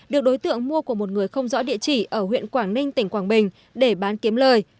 được đối tượng mua của một người không rõ địa chỉ ở huyện quảng ninh tỉnh quảng bình để bán kiếm lời